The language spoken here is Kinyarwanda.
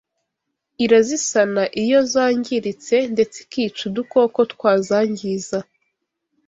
irazisana iyo zangiritse ndetse ikica udukoko twazangiza